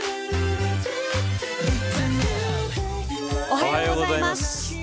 おはようございます。